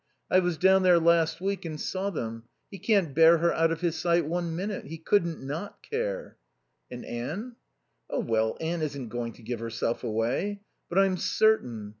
I was down there last week and saw them. He can't bear her out of his sight one minute. He couldn't not care." "And Anne?" "Oh, well, Anne isn't going to give herself away. But I'm certain...